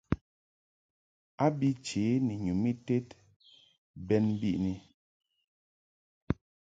A bi che ni nyum ited bɛn biʼni.